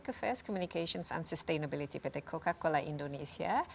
coba kita nggak ngerti keernya apa tadi armak